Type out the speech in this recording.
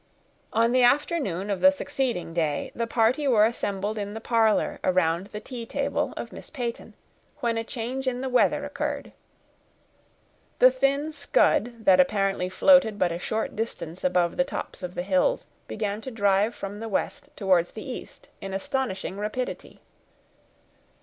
On the afternoon of the succeeding day, the party were assembled in the parlor around the tea table of Miss Peyton, when a change in the weather occurred. The thin scud, that apparently floated but a short distance above the tops of the hills, began to drive from the west towards the east in astonishing rapidity.